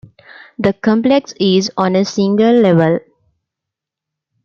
The complex is on a single level.